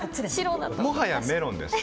もはやメロンです。